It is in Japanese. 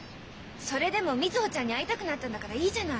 それでも瑞穂ちゃんに会いたくなったんだからいいじゃない。